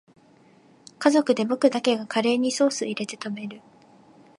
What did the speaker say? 家族で僕だけがカレーにソースいれて食べる